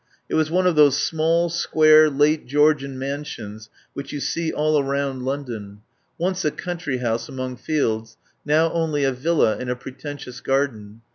It was one of those small, square, late Georgian mansions which you see all around London — once a country house among fields, now only a villa in a pretentious gar den.